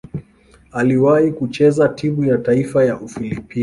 Aliwahi kucheza timu ya taifa ya Ufilipino.